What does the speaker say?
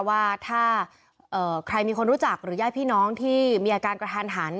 ว่าถ้าใครมีคนรู้จักหรือญาติพี่น้องที่มีอาการกระทันหัน